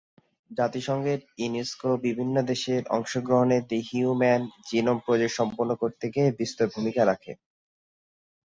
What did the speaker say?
জাতিসংঘের ইউনেস্কো বিভিন্ন দেশের অংশগ্রহণে দি হিউম্যান জিনোম প্রজেক্ট সম্পন্ন করতে বিস্তর ভূমিকা রাখে।